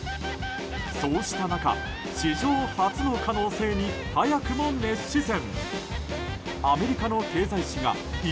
そうした中、史上初の可能性に早くも熱視線。